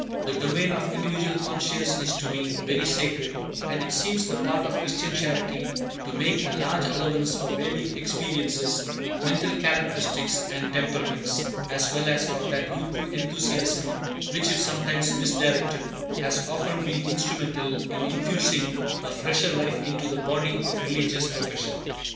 The domain of individual conscience is to me very sacred; and it seems the part of Christian charity to make a large allowance for varying experiences; mental characteristics, and temperaments, as well as for that youthful enthusiasm which, if sometimes misdirected, has often been instrumental in infusing a fresher life into the body of religious profession.